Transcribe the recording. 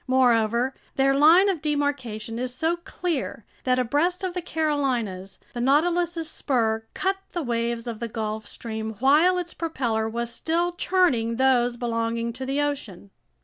Moreover, their line of demarcation is so clear that abreast of the Carolinas, the Nautilus's spur cut the waves of the Gulf Stream while its propeller was still churning those belonging to the ocean.